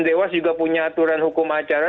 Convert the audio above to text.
dewas juga punya aturan hukum acara